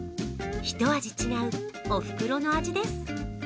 ひと味違うおふくろの味です。